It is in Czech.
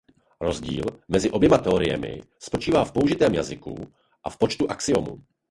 Rozdíl mezi oběma teoriemi spočívá v použitém jazyku a v počtu axiomů.